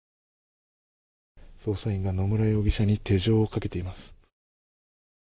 捜査員が野村容疑者に手錠をかけています。